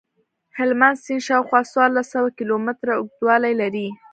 هلمند سیند شاوخوا څوارلس سوه کیلومتره اوږدوالی لري.